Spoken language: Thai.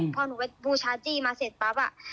พอหนูไปบูชาจี้มาเสร็จปั๊บ